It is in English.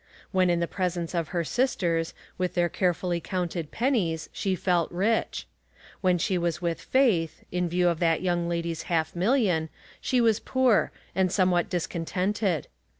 When in the presence of her sisters, with their carefully counted pennies, she felt rich ; when she was with Faith, in view of that young lady's half million, she was poor, and somewhat discon tented.